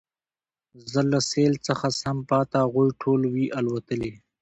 زه له سېل څخه سم پاته هغوی ټول وي الوتلي